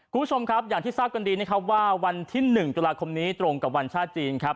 คุณผู้ชมครับอย่างที่ทราบกันดีนะครับว่าวันที่๑ตุลาคมนี้ตรงกับวันชาติจีนครับ